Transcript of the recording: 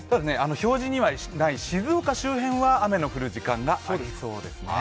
表示にはない静岡周辺は雨の降る時間がありそうですね。